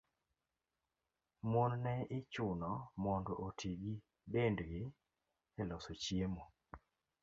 Mon ne ichuno mondo oti gi dendgi e loso chiemo.